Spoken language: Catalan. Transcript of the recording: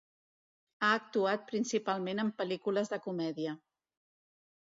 Ha actuat principalment en pel·lícules de comèdia.